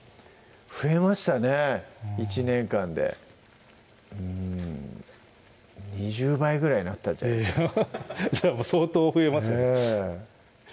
増えましたね１年間でうん２０倍ぐらいになったんじゃないですかじゃあもう相当増えましたねええ